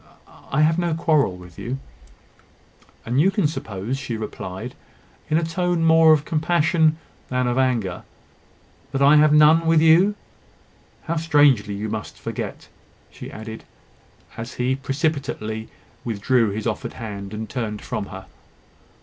I have no quarrel with you." "And can you suppose," she replied, in a tone more of compassion than of anger, "that I have none with you? How strangely you must forget!" she added, as he precipitately withdrew his offered hand, and turned from her.